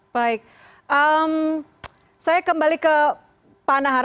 baik saya kembali ke panahar